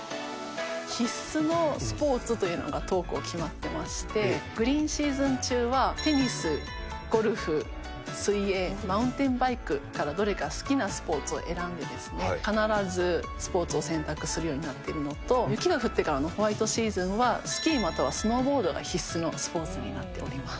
必須のスポーツというのが当校決まってまして、グリーンシーズン中は、テニス、ゴルフ、水泳、マウンテンバイクから、どれか好きなスポーツを選んでですね、必ずスポーツを選択するようになっているのと、雪が降ってからのホワイトシーズンは、スキーまたはスノーボードが必須のスポーツになっております。